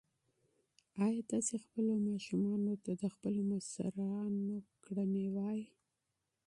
ایا تاسي ماشومانو ته د خپلو اسلافو کارنامې وایئ؟